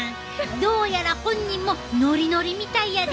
どうやら本人もノリノリみたいやで！